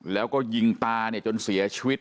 แล้วก็ยิงตาเนี่ยจนเสียชีวิต